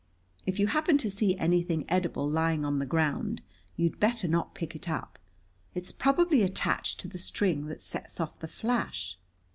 If you happen to see anything edible lying on the ground, you'd better not pick it up. It's probably attached to the string that sets off the flash."